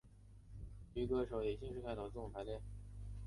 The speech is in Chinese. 其余歌手以姓氏开头字母排列。